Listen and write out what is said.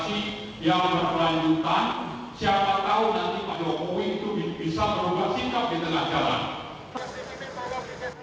siapa tahu nanti pak jokowi itu bisa merubah sikap di tengah jalan